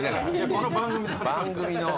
この番組の。番組の。